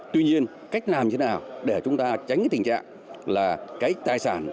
tuy nhiên cách làm thế nào để chúng ta tránh cái tình trạng là cái tài sản